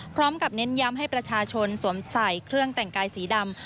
เน้นย้ำให้ประชาชนสวมใส่เครื่องแต่งกายสีดำ